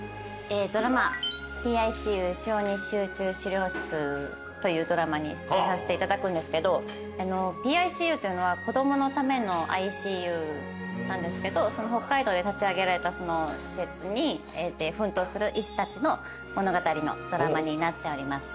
ドラマ『ＰＩＣＵ小児集中治療室』というドラマに出演させていただくんですけどＰＩＣＵというのは子供のためのＩＣＵなんですけど北海道で立ち上げられたその施設で奮闘する医師たちの物語のドラマになっております。